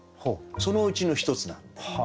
そのうちの一つなので。